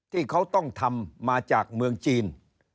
ที่เขาต้องทำมาจากเมืองจีน